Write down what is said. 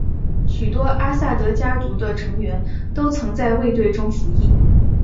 许多阿萨德家族的成员都曾在卫队中服役。